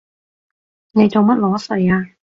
你做乜裸睡啊？